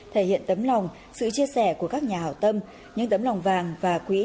thể hiện tấm lòng sự chia sẻ của các nhà hảo tâm những tấm lòng vàng và quỹ